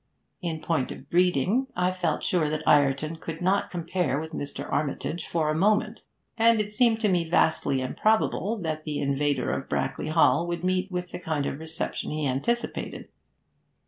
In point of breeding, I felt sure that Ireton could not compare with Mr. Armitage for a moment, and it seemed to me vastly improbable that the invader of Brackley Hall would meet with the kind of reception he anticipated.